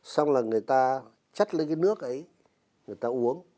xong là người ta chất lên cái nước ấy người ta uống